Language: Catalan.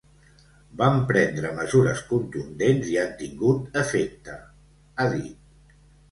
Vam prendre mesures contundents i han tingut efecte, ha dit.